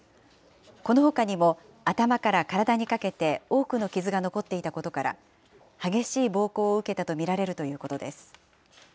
このほかにも、頭から体にかけて多くの傷が残っていたことから、激しい暴行を受けたと見られるということです。